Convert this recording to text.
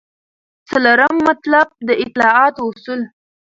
څلورم مطلب : د اطاعت اصل